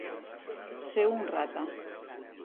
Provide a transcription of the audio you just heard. Ser un rata.